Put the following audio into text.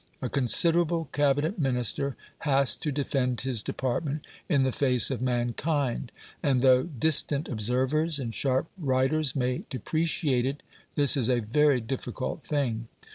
A considerable Cabinet Minister has to defend his department in the face of mankind; and though distant observers and sharp writers may depreciate it, this is a very difficult thing.